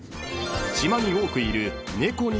［島に多くいる］